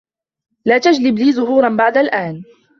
لا تجلب لي زهورا بعد الآن.